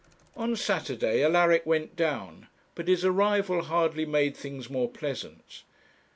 On Saturday Alaric went down, but his arrival hardly made things more pleasant.